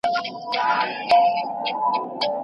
تا ولې په دومره دقت زما د تېر ژوند په اړه پوښتنه وکړه؟